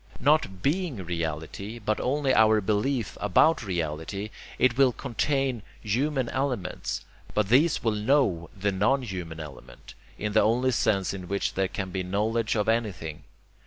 Not BEING reality, but only our belief ABOUT reality, it will contain human elements, but these will KNOW the non human element, in the only sense in which there can be knowledge of anything.